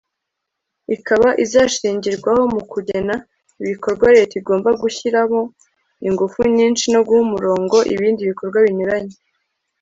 ikaba izashingirwaho mu kugena ibikorwa leta igomba gushyiramo ingufu nyinshi no guha umurongo ibindi bikorwa binyuranye